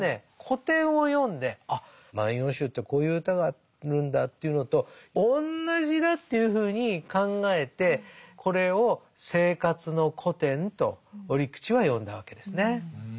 古典を読んであっ「万葉集」ってこういう歌があるんだというのと同じだというふうに考えてこれを「生活の古典」と折口は呼んだわけですね。